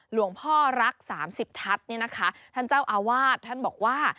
หลวงพ่อรัก๓๐ทัศน์ท่านเจ้าอาวาสท่านบอกว่า